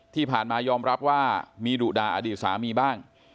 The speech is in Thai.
ที่ผ่านมายอมรับว่ามีดุด่าอดีตสามีบ้าง